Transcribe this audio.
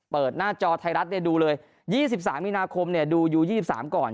เปิดหน้าจอไทยรัฐเนี่ยดูเลยยี่สิบสามมีนาคมเนี่ยดูอยู่ยี่สิบสามก่อน